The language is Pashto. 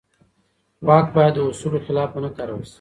واک باید د اصولو خلاف ونه کارول شي.